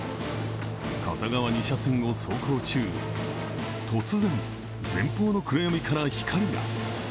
片側２車線を走行中、突然前方の暗闇から光が。